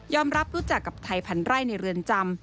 รับรู้จักกับไทยพันไร่ในเรือนจำ